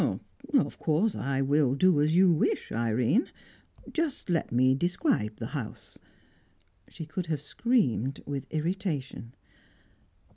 "Of course I will do as you wish, Irene. Just let me describe the house " She could have screamed with irritation.